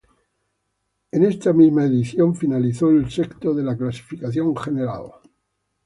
En esta misma edición finalizó el sexto de la clasificación general.